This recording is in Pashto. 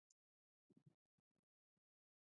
دوی د مالیې اصول هم له منځه یوړل.